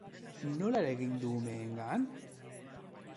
Nola eragin du umeengan?